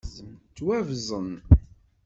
Ttwabẓen.